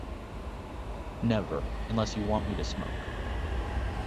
Never, unless you want me to smoke.